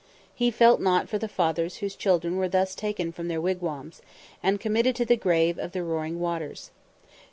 He felt not for the fathers whose children were thus taken from their wigwams, and committed to the grave of the roaring waters.